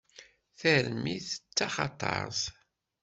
Tarmit d taxatart.